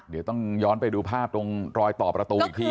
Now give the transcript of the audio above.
เดี๋ยวต้องย้อนไปดูภาพตรงรอยต่อประตูอีกที